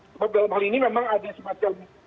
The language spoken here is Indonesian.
sebab dalam hal ini memang ada semacam